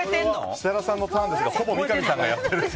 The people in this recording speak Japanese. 設楽さんのターンですがほぼ三上さんがやってる。